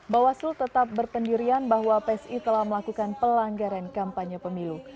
bawaslu tetap berpendirian bahwa psi telah melakukan pelanggaran kampanye pemilu